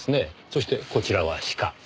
そしてこちらは鹿。